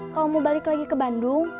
kamu mau balik lagi ke bandung